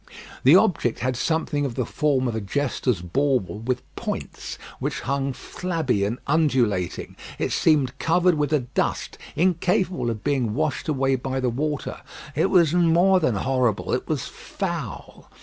The object had something of the form of a jester's bauble with points, which hung flabby and undulating. It seemed covered with a dust incapable of being washed away by the water. It was more than horrible; it was foul.